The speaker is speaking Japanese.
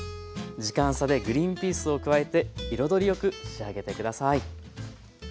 時間差でグリンピースを加えて彩りよく仕上げて下さい。